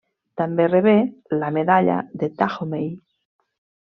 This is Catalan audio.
També rebé la medalla de Dahomey.